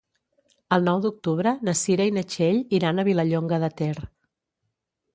El nou d'octubre na Cira i na Txell iran a Vilallonga de Ter.